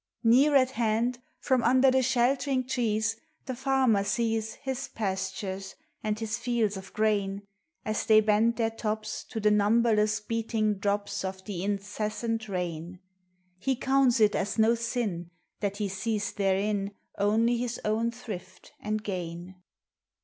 116 POEMS OF NATURE. Near at hand, From under the sheltering trees, The farmer sees His pastures, and his fields of grain, As the}* bend their tops To the numberless beating drops Of the incessant rain. He counts it as no sin That he sees therein Only his own thrift and gain.